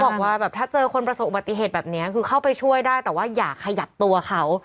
บอกว่าแบบถ้าเจอคนประสบอุบัติเหตุแบบนี้คือเข้าไปช่วยได้แต่ว่าอย่าขยับตัวเขา